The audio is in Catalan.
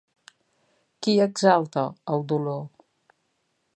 Qui exalta el dolor?